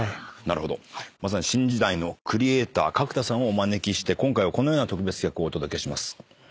まさに新時代のクリエーター角田さんをお招きして今回はこのような特別企画をお届けします。